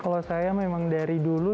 kalau saya memang dari dulu